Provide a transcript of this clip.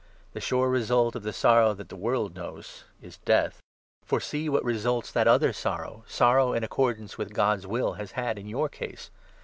The sure result of the sorrow that the world knows is Death. For see what results that other n sorrow — sorrow in accordance with God's will — has had in your case.